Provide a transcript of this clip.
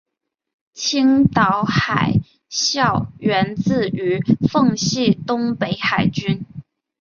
青岛海校源自于奉系东北海军。